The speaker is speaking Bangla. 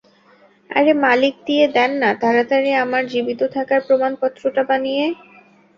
আরে মালিক দিয়ে দেন না তাড়াতাড়ি আমার জীবিত থাকার প্রমাণপত্রটা বানিয়ে।